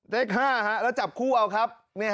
เลข๕แล้วจับคู่เอาครับ